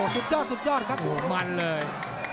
สุดยอดสุดยอดครับมันเลย